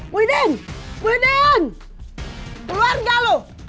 muhyiddin muhyiddin keluar gak lo